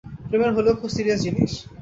প্রেমের হলেও খুব সিরিয়াস জিনিস।